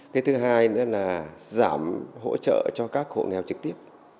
cái thứ hai nữa là giảm hỗ trợ cho các hộ nghèo trực tiếp